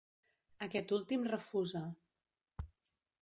Aquest últim refusa.